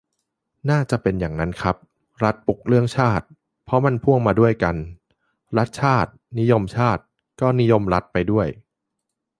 น่าจะเป็นอย่างนั้นครับ รัฐปลุกเรื่องชาติ เพราะมันพ่วงมาด้วยกัน รัฐ-ชาติ นิยมชาติ ก็นิยมรัฐไปด้วย